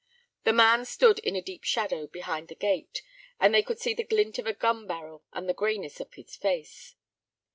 The man stood in a deep shadow behind the gate, and they could see the glint of a gun barrel and the grayness of his face.